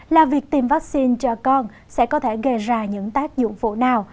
là việc tìm vaccine cho con sẽ có thể gây ra những tác dụng vụ nào